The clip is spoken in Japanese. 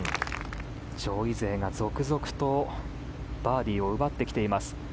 上位勢が続々とバーディーを奪ってきています。